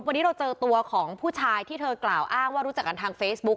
วันนี้เราเจอตัวของผู้ชายที่เธอกล่าวอ้างว่ารู้จักกันทางเฟซบุ๊ก